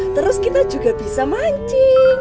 terus kita juga bisa mancing